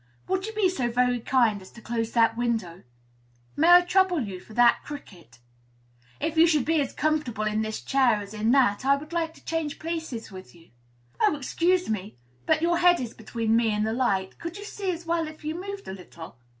"Would you be so very kind as to close that window?" "May I trouble you for that cricket?" "If you would be as comfortable in this chair as in that, I would like to change places with you." "Oh, excuse me, but your head is between me and the light: could you see as well if you moved a little?"